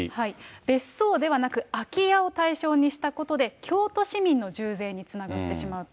別荘ではなく空き家を対象にしたことで、京都市民の重税につながってしまうと。